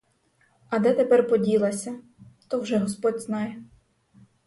А де тепер поділася, то вже господь знає.